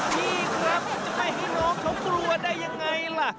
พี่ครับจะไม่ให้น้องเขากลัวได้ยังไงล่ะ